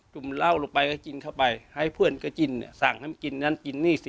ุ่มเหล้าลงไปก็กินเข้าไปให้เพื่อนก็กินเนี่ยสั่งให้มันกินนั้นกินนี่สิ